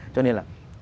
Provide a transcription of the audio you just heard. cho nên là